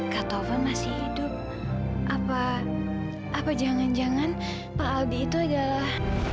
kak taufan masih hidup apa apa jangan jangan pak aldi itu adalah